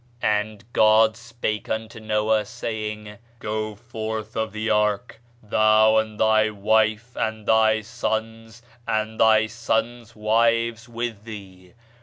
"And God spake unto Noah, saying, Go forth of the ark, thou, and thy wife, and thy sons, and thy sons' wives with thee.